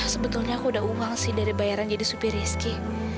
sebetulnya aku udah uang sih dari bayaran jadi supir rizki